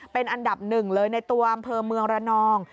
เป็นอันดับหนึ่งเลยในตัวอำเภอเมืองระนอง